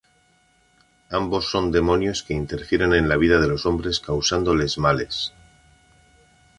Ambos son demonios que interfieren en la vida de los hombres causándoles males.